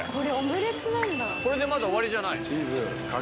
これでまだ終わりじゃない？